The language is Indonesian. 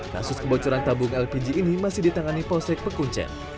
kasus kebocoran tabung lpg ini masih ditangani polsek pekuncen